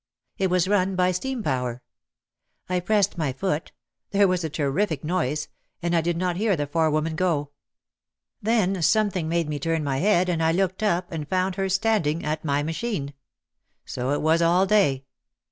It was run by steam power. I pressed my foot, there was a terrific noise, and I did not hear the forewoman go. Then something made me turn my head and I looked up and found her standing at my machine. So it was all day.